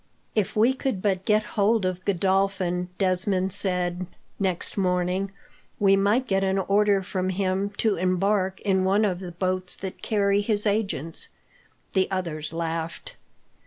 "If we could but get hold of Godolphin," Desmond said, next morning, "we might get an order, from him, to embark in one of the boats that carry his agents." The others laughed.